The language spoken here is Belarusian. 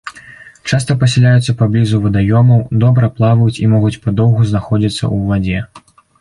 Часта пасяляюцца паблізу вадаёмаў, добра плаваюць і могуць падоўгу знаходзіцца ў вадзе.